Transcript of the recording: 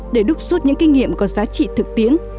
để đúc suốt những kinh nghiệm có giá trị thực tiễn